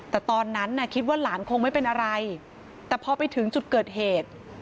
แต่ตอนนั้นน่ะคิดว่าหลานคงไม่เป็นอะไรแต่พอไปถึงจุดเกิดเหตุ